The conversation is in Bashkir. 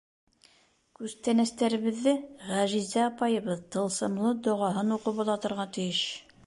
— Күстәнәстәребеҙҙе Ғәжизә апайыбыҙ тылсымлы доғаһын уҡып оҙатырға тейеш!